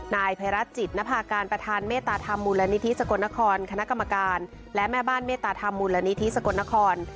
นายภัยรัฐจิตนภาการประธานเมตตาธรรมมูลนิธิสกลนครคณะกรรมการและแม่บ้านเมตตาธรรมมูลนิธิสกลนคร